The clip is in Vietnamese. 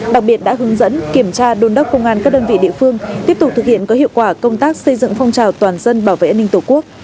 đặc biệt đã hướng dẫn kiểm tra đôn đốc công an các đơn vị địa phương tiếp tục thực hiện có hiệu quả công tác xây dựng phong trào toàn dân bảo vệ an ninh tổ quốc